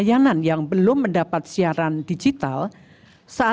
pembinaan pembinaan pembinaan pembinaan